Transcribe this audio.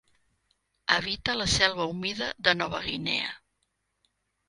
Habita la selva humida de Nova Guinea.